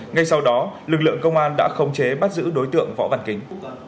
ngay sau đó lực lượng công an đã khống chế bắt giữ đối tượng võ văn kính